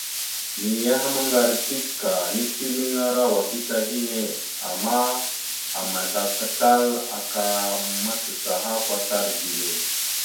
Niyaham ŋgar dik ta, nislimaŋara wakita hinne, ana àmazlaka tal aka macacaha kwatar gime.